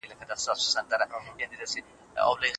جګړې اقتصاد له خاورو سره خاورې کوي.